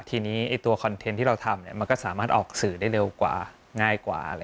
ทีนี้ตัวคอนเทนต์ที่เราทำมันก็สามารถออกสื่อได้เร็วกว่าง่ายกว่า